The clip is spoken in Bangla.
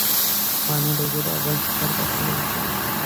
মানে রুগীর অবস্থার কথা বলছি।